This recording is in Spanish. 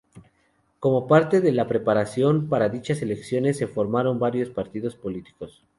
Como parte de la preparación para dichas elecciones, se formaron varios partidos políticos nuevos.